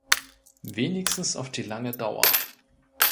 Wenigstens auf die lange Dauer.